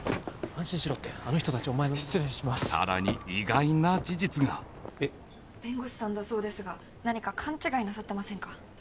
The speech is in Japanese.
安心しろってあの人達お前のさらに意外な事実が弁護士さんだそうですが何か勘違いなさってませんか？